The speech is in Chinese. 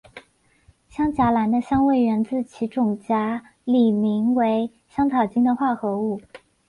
香荚兰的香味源自其种荚里名为香草精的化合物。